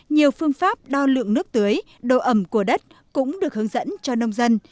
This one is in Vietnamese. nhiều phương pháp đo lượng nước tưới độ ẩm của đất cũng được hướng dẫn cho nông dân